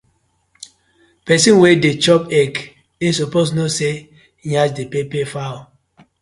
Pesin wey dey chop egg e suppose kno say yansh dey pepper fowl.